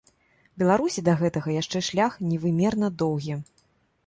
Беларусі да гэтага яшчэ шлях невымерна доўгі.